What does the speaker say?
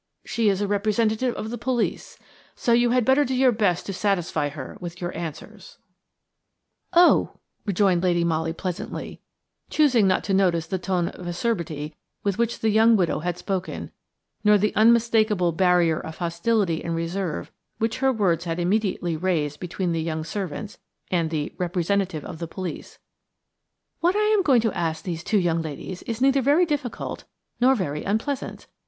She is a representative of the police, so you had better do your best to satisfy her with your answers." "Oh!" rejoined Lady Molly pleasantly–choosing not to notice the tone of acerbity with which the young widow had spoken, nor the unmistakable barrier of hostility and reserve which her words had immediately raised between the young servants and the "representative of the police"–"what I am going to ask these two young ladies is neither very difficult nor very unpleasant.